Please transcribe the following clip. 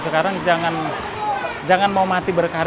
kalau mau minati ini sebenarnya bukan uang kecil ini uang besar